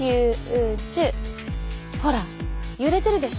ほら揺れてるでしょ？